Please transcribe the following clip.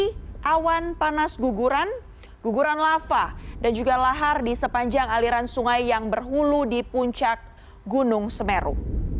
di awan panas guguran guguran lava dan juga lahar di sepanjang aliran sungai yang berhulu di puncak gunung semeru